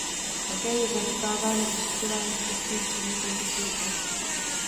Také je zanedbáváno vyšetřování trestných činnů proti církvi.